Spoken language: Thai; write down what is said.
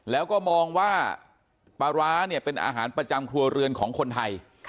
แล้วก็มองว่าปลาร้าเนี่ยเป็นอาหารประจำครัวเรือนของคนไทย